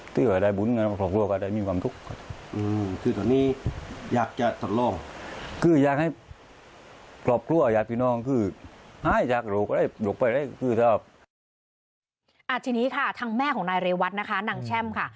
ทีนี้ค่ะทางแม่ของนายเรวัตนะคะนางแช่มค่ะ